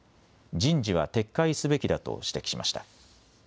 人事は撤回すべきだと指摘しました。